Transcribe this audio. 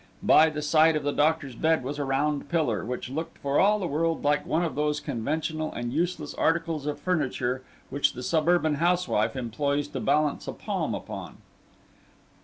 By the side of the doctor's bed was a round pillar, which looked for all the world like one of those conventional and useless articles of furniture which the suburban housewife employs to balance a palm upon.